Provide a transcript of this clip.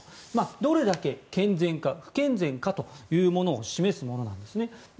どれだけ健全か、不健全かを示すものなんですね。